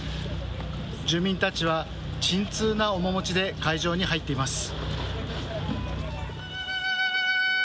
住民たちは沈痛な面持ちで会場に入っています。